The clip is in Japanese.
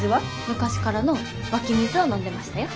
昔からの湧き水を飲んでましたよ。